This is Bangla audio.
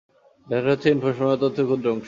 ডেটা হচ্ছে ইনফরমেশন বা তথ্যের ক্ষুদ্র অংশ।